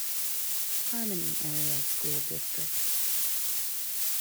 Harmony Area School District